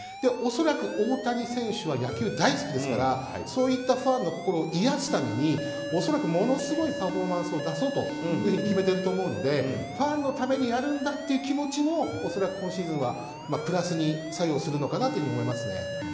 恐らく大谷選手は野球大好きですからそういったファンの心を癒やすために、恐らくものすごいパフォーマンスを出そうと決めていると思うのでファンのためにやるんだという気持ちも恐らく今シーズンはプラスに作用するのかなと思います。